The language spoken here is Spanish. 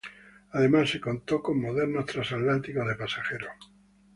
Además, se contó con modernos transatlánticos de pasajeros.